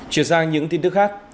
chuyển sang những tin tức khác